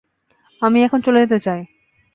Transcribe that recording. আমি এখন চলে যেতে চাই।